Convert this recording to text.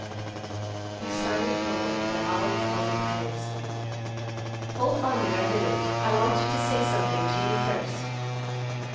He started forward, but Ollie called imperiously, "Hold on there a minute, I want to say something to you first."